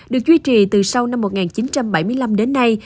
được duy trì từ sau năm một nghìn chín trăm bảy mươi năm đến nay